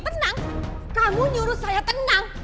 menang kamu nyuruh saya tenang